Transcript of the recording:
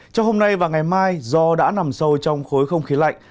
trong hôm nay và ngày mai do đã nằm sâu trong khối không khí lạnh